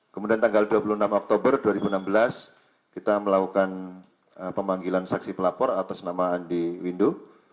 kemudian tanggal dua puluh enam oktober dua ribu enam belas kita melakukan pemanggilan saksi pelapor atas nama andi windu